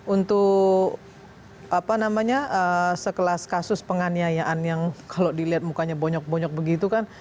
untuk apa namanya sekelas kasus penganiayaan yang kalau dilihat mukanya bonyok bonyok begitu kan